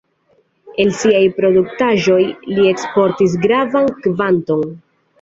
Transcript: El siaj produktaĵoj li eksportis gravan kvanton.